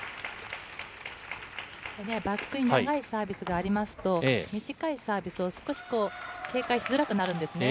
バックに長いサービスがありますと、短いサービスを少し警戒しづらくなるんですね。